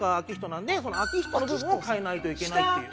なんで「明人」の部分を変えないといけないっていう。